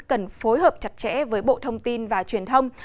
cần phối hợp chặt chẽ với bộ thông tin và truyền thông